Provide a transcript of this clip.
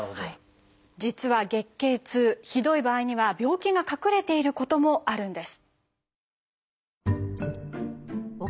実は月経痛ひどい場合には病気が隠れていることもあるんです。